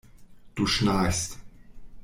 Du schnarchst.